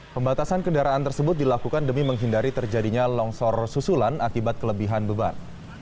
pembatasan kendaraan tersebut dilakukan demi menghindari terjadinya longsor susulan akibat kelebihan beban